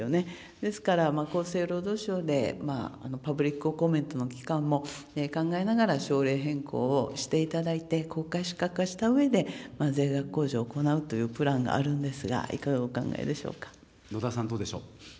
ですから、厚生労働省でパブリックコメントの期間も考えながら、省令変更をしていただいて、国家資格化したうえで、税額控除を行うというプランがあるんですが、野田さん、どうでしょう。